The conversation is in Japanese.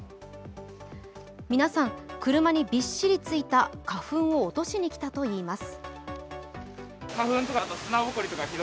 皆さん、車にびっしりついた花粉を落としに来たといいます。